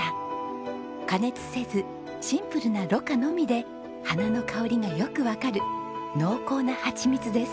加熱せずシンプルな濾過のみで花の香りがよくわかる濃厚なハチミツです。